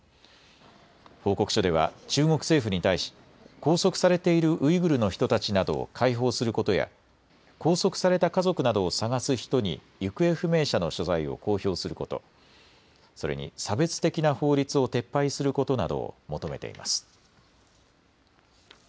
報告書では中国政府に対し拘束されているウイグルの人たちなどを解放することや拘束された家族などを探す人に行方不明者の所在を公表すること、それに差別的な法律を撤廃することなどを求めています。